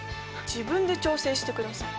自分で調整してください。